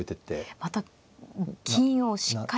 また金をしっかり。